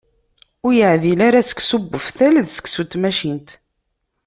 Ur yeɛdil ara seksu n uftal d seksu n tmacint.